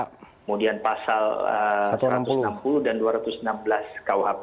kemudian pasal satu ratus enam puluh dan dua ratus enam belas kuhp